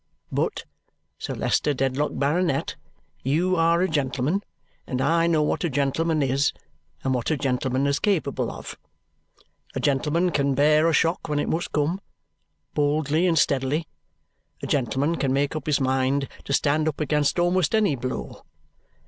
But Sir Leicester Dedlock, Baronet, you are a gentleman, and I know what a gentleman is and what a gentleman is capable of. A gentleman can bear a shock when it must come, boldly and steadily. A gentleman can make up his mind to stand up against almost any blow.